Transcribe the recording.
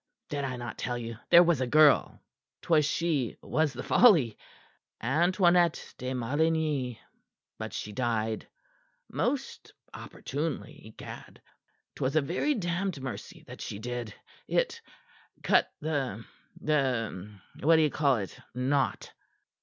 Did I not tell you there was a girl? 'Twas she was the folly Antoinette de Maligny. But she died most opportunely, egad! 'Twas a very damned mercy that she did. It cut the the what d'ye call it knot?"